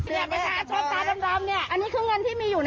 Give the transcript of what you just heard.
อย่างประชาชนตาดำเนี่ยอันนี้คือเงินที่มีอยู่นะ